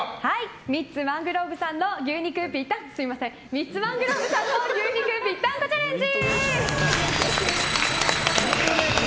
ミッツ・マングローブさんの牛肉ぴったんこチャレンジ！